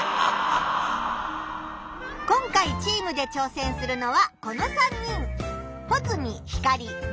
今回チームでちょうせんするのはこの３人。